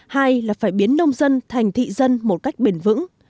hai là phải biến nông dân thành thị dân một cách bền vững